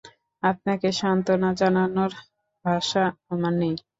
আপনাকে সান্ত্বনা জানানোর ভাষা আমার নেই।